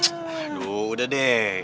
aduh udah deh